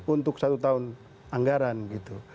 untuk satu tahun anggaran gitu